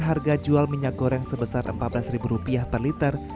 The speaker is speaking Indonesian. harga jual minyak goreng sebesar rp empat belas per liter